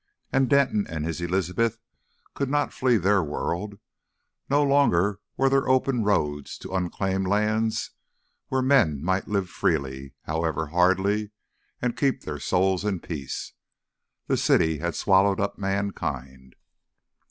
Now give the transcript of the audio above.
And Denton and his Elizabeth could not flee their world, no longer were there open roads to unclaimed lands where men might live freely however hardly and keep their souls in peace. The city had swallowed up mankind.